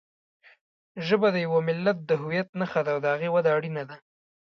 ژبه د یوه ملت د هویت نښه ده او د هغې وده اړینه ده.